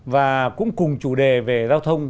và cũng cùng chủ đề về giao thông